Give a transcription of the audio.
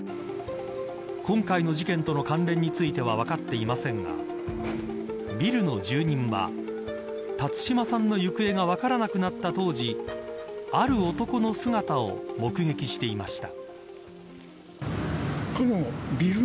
今回の事件との関連については分かっていませんがビルの住民は辰島さんの行方が分からなくなった当時ある男の姿を目撃していました。